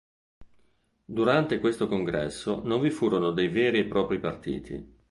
Durante questo Congresso non vi furono dei veri e propri partiti.